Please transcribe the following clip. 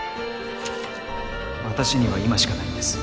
私には今しかないんです。